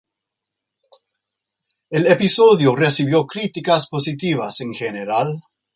El episodio recibió críticas positivas en general.